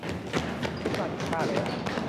คิดมาทุกท่าแล้ว